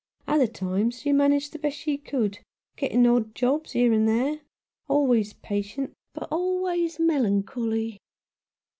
Other times she managed the best she could, getting odd jobs here and there — always patient, but always melancholy.